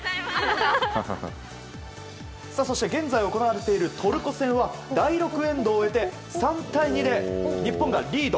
そして、現在行われているトルコ戦は第６エンドを終えて３対２で日本がリード。